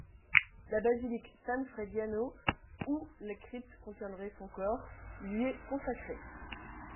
La Basilique San Frediano, où la crypte contiendrait son corps, lui est consacrée.